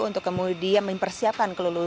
untuk kemudian mempersiapkan kelulusan